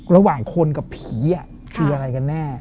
ระหว่างคนกับผีคืออะไรกันแน่